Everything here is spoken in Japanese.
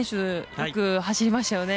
よく走りましたよね。